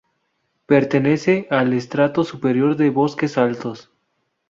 Pertenece al estrato superior de bosques altos.